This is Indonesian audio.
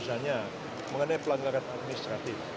misalnya mengenai pelanggaran administratif